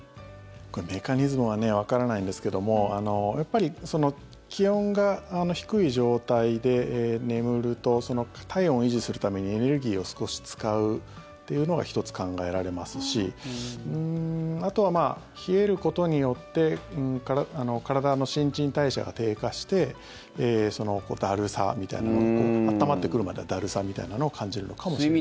これ、メカニズムはわからないんですけどもやっぱり気温が低い状態で眠ると体温を維持するためにエネルギーを少し使うというのが１つ考えられますしあとは冷えることによって体の新陳代謝が低下してだるさみたいな温まってくるまでだるさみたいなのを感じるのかもしれないです。